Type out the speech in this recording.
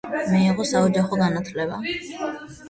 მიიღო საოჯახო განათლება.